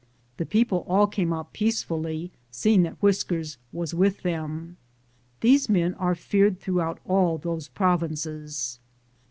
The people all came out peacefully, seeing that Whiskers, was with them. These men are feared throughout all those provinces.